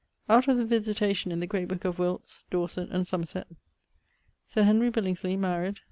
Out of the visitation in the great booke of Wilts, Dorset, and Somerset: Sir Henry Billingsley, maried